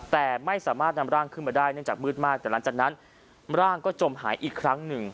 แต่ไม่สามารถนำร่างขึ้นมาได้เนื่องจากมืดมากแต่หลังจากนั้นร่างก็จมหายอีกครั้งหนึ่ง